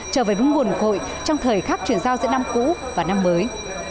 trở về vùng nguồn hội trong thời khắc chuyển giao giữa năm cũ và năm mới